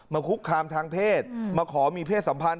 คุกคามทางเพศมาขอมีเพศสัมพันธ